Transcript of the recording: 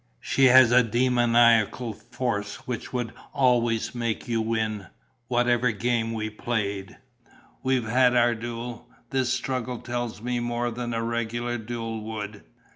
She has a demoniacal force which would always make you win, whatever game we played. We've had our duel. This struggle tells me more than a regular duel would.